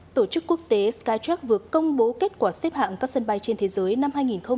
tổ chức quốc tế skytrack vừa công bố kết quả xếp hạng các sân bay trên thế giới năm hai nghìn hai mươi